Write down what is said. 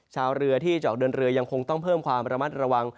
ชาวเรือที่จะออกเดินเรือยังคงต้องเพิ่มความระมัดระวัง